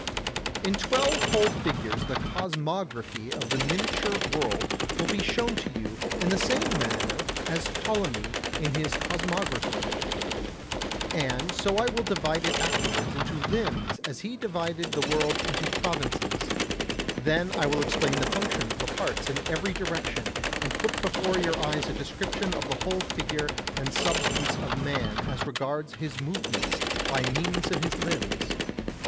77. In twelve whole figures the cosmography of the miniature world will be shown to you in the same manner as Ptolemy in his cosmography. And so I will divide it afterwards into limbs as he divided the world into provinces; then I will explain the function of the parts in every direction, and put before your eyes a description of the whole figure and substance of man as regards his movements by means of his limbs.